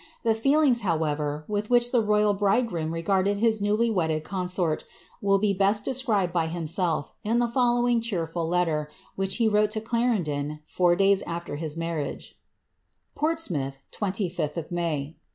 * The feelings, however, with which the ro3ral bridegroom regarded his newly wedded consort, will be best described by himself, in the following cheerful letter, which he wrote to Clarendon four days afler his marriage :—Portsmouth, 25th May.